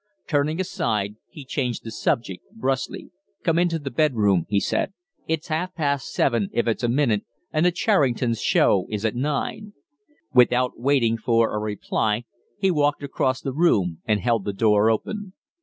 Turning aside, he changed the subject brusquely. "Come into the bedroom," he said. "It's half past seven if it's a minute, and the Charringtons' show is at nine." Without waiting for a reply, he walked across the room and held the door open.